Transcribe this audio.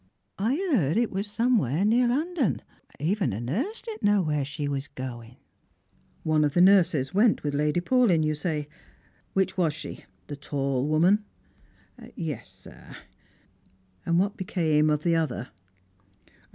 I heard it was somewheres near London. Even the nurse didn't know where she was gone." "One of the nurses went with Lady Paulyn, you say? Which was she — the tall woman ?" "Yes, sir." " And what became of the other